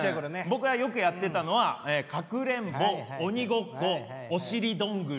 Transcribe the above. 僕がよくやってたのはかくれんぼ鬼ごっこお尻どんぐり。